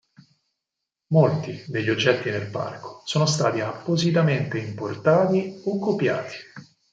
Molti degli oggetti nel parco sono stati appositamente importati o copiati.